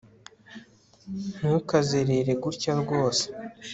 ntukazerere gutya rwose